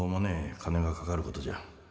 金がかかることじゃ。